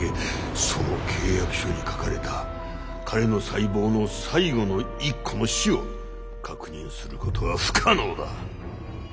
その契約書に書かれた「彼の細胞の最後の一個の死」を確認することは不可能だ。